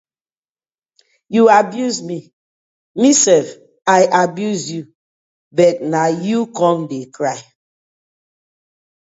Yu abuse mi mi sef I abuse yu but na yu com de cry.